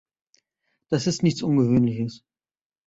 Das ist nichts Ungewöhnliches.